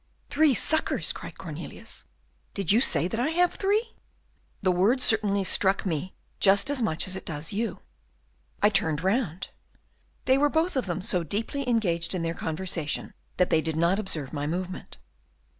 '" "Three suckers!" cried Cornelius. "Did you say that I have three?" "The word certainly struck me just as much as it does you. I turned round. They were both of them so deeply engaged in their conversation that they did not observe my movement.